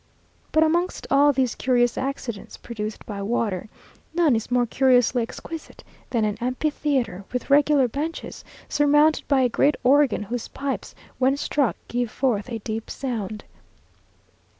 But amongst all these curious accidents produced by water, none is more curiously exquisite than an amphitheatre, with regular benches, surmounted by a great organ, whose pipes, when struck, give forth a deep sound.